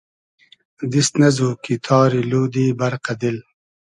دیست نئزو کی تاری لودی بئرقۂ دیل